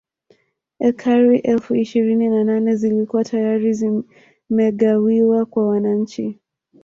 Ekari elfu ishirini na nne zilikuwa tayari zimegawiwa kwa wananchi